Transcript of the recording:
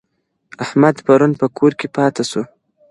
احمد پرون په کور کي پاته سو.